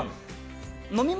飲み物